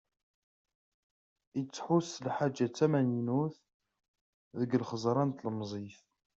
Yesḥus s lḥaǧa d tamaynut deg lxeẓra n tlemẓit.